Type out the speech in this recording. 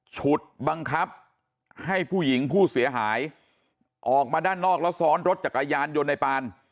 ฉุดบังคับให้ผู้หญิงผู้เสียหายออกมาด้านนอกแล้วซ้อนรถจักรยานยนต์ในปาน